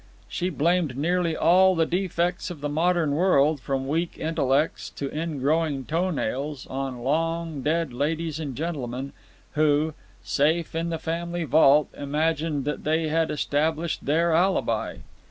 She blamed nearly all the defects of the modern world, from weak intellects to in growing toe nails, on long dead ladies and gentlemen who, safe in the family vault, imagined that they had established their alibi.